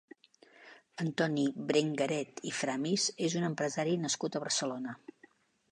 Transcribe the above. Antoni Brengaret i Framis és un empresari nascut a Barcelona.